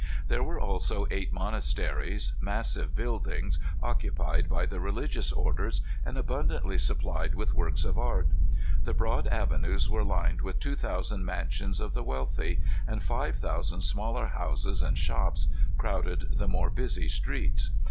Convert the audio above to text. There were also eight monasteries, massive buildings, occupied by the religious orders, and abundantly supplied with works of art. The broad avenues were lined with two thousand mansions of the wealthy; and five thousand smaller houses and shops crowded the more busy streets.